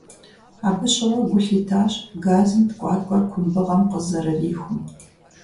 Абы щыгъуэ гу лъитащ газым ткIуаткIуэр кумбыгъэм къызэрырихум.